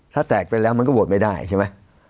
ถ้าแตกไปแล้วมันก็โหวตไม่ได้ใช่ไหม